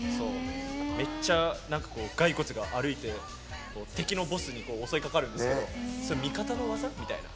めっちゃ骸骨が歩いて敵のボスに襲いかかるんですけどそれ、味方の技？みたいな。